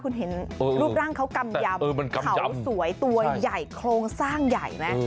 คุณเห็นรูปร่างเขากำยำเขาสวยตัวใหญ่โครงสร้างใหญ่ไหม